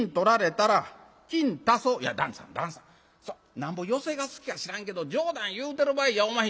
なんぼ寄席が好きか知らんけど冗談言うてる場合やおまへん」。